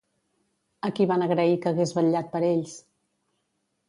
A qui van agrair que hagués vetllat per ells?